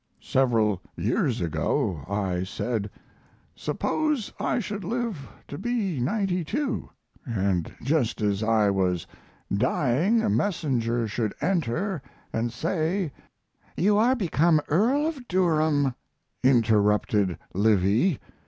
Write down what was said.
Several years ago I said: "Suppose I should live to be ninety two, and just as I was dying a messenger should enter and say " "You are become Earl of Durham," interrupted Livy.